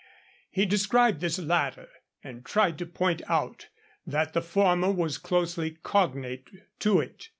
He described this latter, and tried to point out that the former was closely cognate to it.